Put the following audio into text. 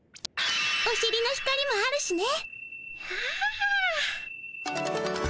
おしりの光もあるしね。